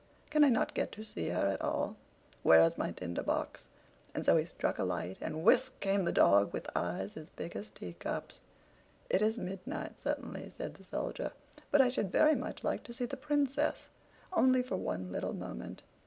Can I not get to see her at all? Where is my Tinder box?" And so he struck a light, and whisk! came the dog with eyes as big as teacups. "It is midnight, certainly," said the Soldier, "but I should very much like to see the Princess, only for one little moment."